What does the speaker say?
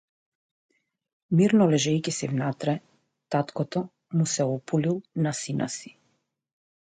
Мирно лежејќи си внатре, таткото му се опулил на сина си.